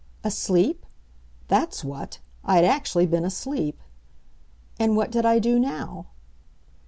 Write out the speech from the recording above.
Asleep? That's what! I'd actually been asleep. And what did I do now?